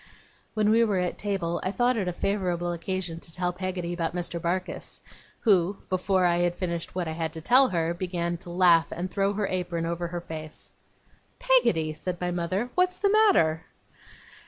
While we were at table, I thought it a favourable occasion to tell Peggotty about Mr. Barkis, who, before I had finished what I had to tell her, began to laugh, and throw her apron over her face. 'Peggotty,' said my mother. 'What's the matter?